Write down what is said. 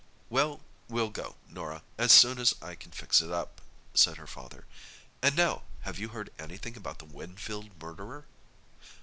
"Well, we'll go, Norah—as soon as I can fix it up," said her father. "And now, have you heard anything about the Winfield murderer?"